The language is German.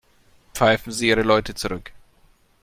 Pfeifen Sie Ihre Leute zurück.